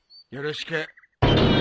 よろしく。